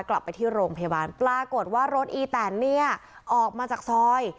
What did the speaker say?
กลับไปที่โรงพยาบาลปรากฏว่ารถอีแตนเนี่ยออกมาจากซอย